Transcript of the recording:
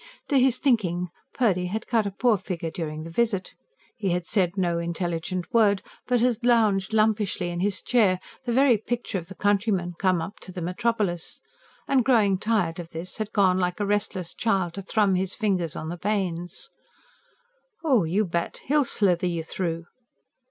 To his thinking, Purdy had cut a poor figure during the visit: he had said no intelligent word, but had lounged lumpishly in his chair the very picture of the country man come up to the metropolis and, growing tired of this, had gone like a restless child to thrum his fingers on the panes. "Oh, you bet! He'll slither you through."